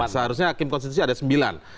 seharusnya hakim konstitusi ada sembilan